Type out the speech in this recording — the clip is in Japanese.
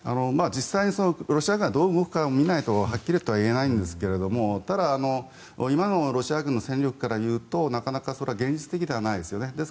実際にロシア軍がどう動くか見ないとはっきりとは言えないんですがただ今のロシア軍の戦力から言うとなかなかそれは現実的ではないですよね。